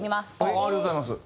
ありがとうございます！